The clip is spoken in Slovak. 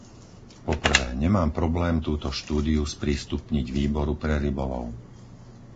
Po prvé, nemám problém túto štúdiu sprístupniť Výboru pre rybolov.